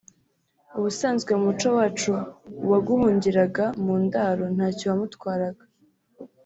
’’ Ubusanzwe mu muco wacu uwaguhungiraga mu Ndaro ntacyo wamutwaraga